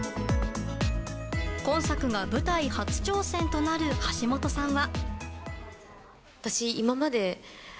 今作が舞台初挑戦となる橋本さんは。